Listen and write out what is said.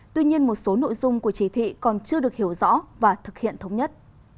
tuy nhiên một số nội dung của chỉ thị còn chưa được hiểu rõ và thực hiện thống nhất